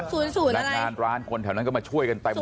ศูนย์ศูนย์อะไรนักงานร้านคนแถวนั้นก็มาช่วยกันเต็มเลย